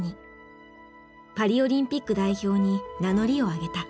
パリ・オリンピック代表に名乗りを上げた。